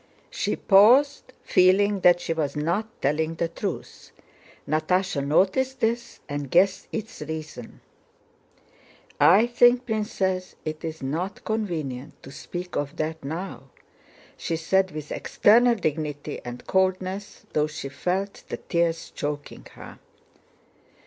She paused, feeling that she was not telling the truth. Natásha noticed this and guessed its reason. "I think, Princess, it is not convenient to speak of that now," she said with external dignity and coldness, though she felt the tears choking her.